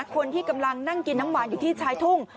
คนที่กำลังนั่งกินน้ำหวานอยู่ที่ชายทุ่ง